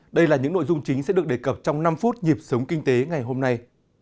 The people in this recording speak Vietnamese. đây là những nội dung chính sẽ được đề cập trong năm phút nhịp sống kinh tế ngày hôm nay